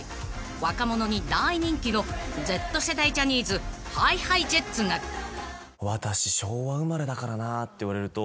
［若者に大人気のＺ世代ジャニーズＨｉＨｉＪｅｔｓが］って言われると。